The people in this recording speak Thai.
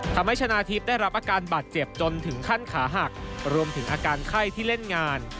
ชนะทิพย์ได้รับอาการบาดเจ็บจนถึงขั้นขาหักรวมถึงอาการไข้ที่เล่นงาน